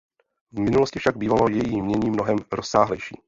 V minulosti však bývalo její jmění mnohem rozsáhlejší.